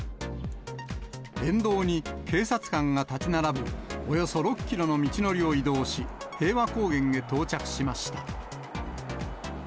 沿道に警察官が立ち並ぶ、およそ６キロの道のりを移動し、平和公園へ到着しました。